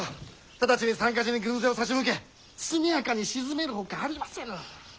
直ちに三か寺に軍勢を差し向け速やかに鎮めるほかありませぬ。